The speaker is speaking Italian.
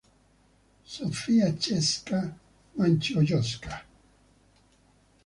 Zofia Czeska-Maciejowska